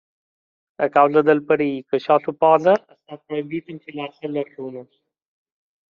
A causa del perill que això suposa, està prohibit enfilar-se a les ruïnes.